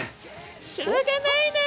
しょうがないな。